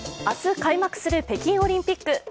明日開幕する北京オリンピック。